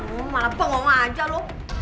lo malah bengong aja lo